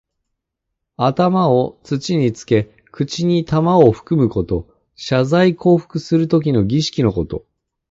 頭を土につけ、口に玉をふくむこと。謝罪降伏するときの儀式のこと。